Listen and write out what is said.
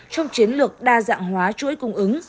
trong chiến lược đa dạng hóa chuỗi cung ứng